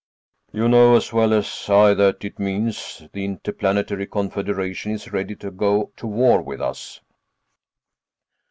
"You know as well as I that it means the Interplanetary Confederation is ready to go to war with us."